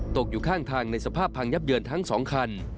ตกอยู่ข้างทางในสภาพพังยับเยินทั้ง๒คัน